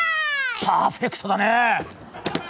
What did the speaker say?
パーフェクトだね！